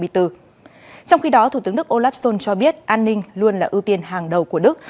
trong khi đó thủ tướng đức olaf schol cho biết an ninh luôn là ưu tiên hàng đầu của đức